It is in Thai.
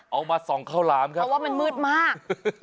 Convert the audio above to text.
เอามาส่องข้าวหลามครับเพราะว่ามันมืดมาก